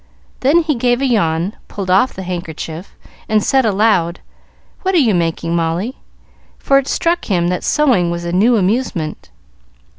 Then he gave a yawn, pulled off the handkerchief, and said aloud, "What are you making, Molly?" for it struck him that sewing was a new amusement.